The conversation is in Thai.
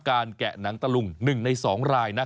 แกะหนังตะลุง๑ใน๒ราย